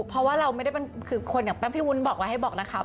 เพราะว่าเราไม่ได้เป็นคือคนอย่างแป๊บพี่วุ้นบอกไว้ให้บอกนะครับ